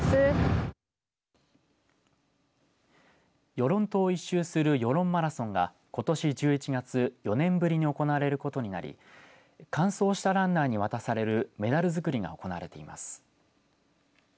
与論島を一周するヨロンマラソンがことし１１月４年ぶりに行われることになり完走したランナーに渡されるメダル作りが行われています。